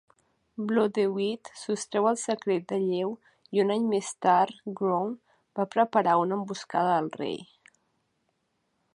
Blodeuwedd sostreu el secret de Lleu i un any més tard, Gronw va preparar una emboscada al rei.